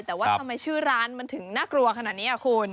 แต่ว่าทำไมชื่อร้านมันถึงน่ากลัวขนาดนี้คุณ